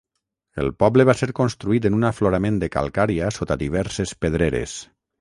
El poble va ser construït en un aflorament de calcària sota diverses pedreres.